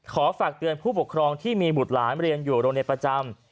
ฝากเตือนผู้ปกครองที่มีบุตรหลานเรียนอยู่โรงเรียนประจำ